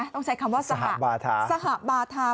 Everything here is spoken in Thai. ต้องใช้คำว่าสหบาทา